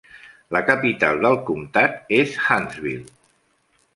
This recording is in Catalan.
La capital del comptat és Huntsville.